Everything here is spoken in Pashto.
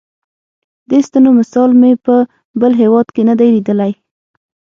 دې ستنو مثال مې په بل هېواد کې نه دی لیدلی.